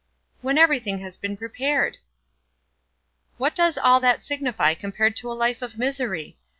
"When everything has been prepared!" "What does all that signify compared to a life of misery?